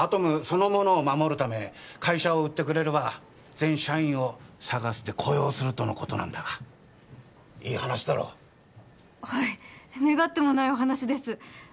そのものを守るため会社を売ってくれれば全社員をＳＡＧＡＳで雇用するとのことなんだがいい話だろはい願ってもないお話です